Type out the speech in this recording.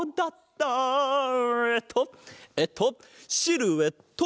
えっとえっとシルエット！